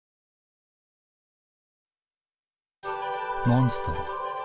モンストロ。